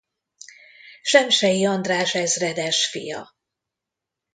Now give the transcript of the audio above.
Semsey András ezredes fia.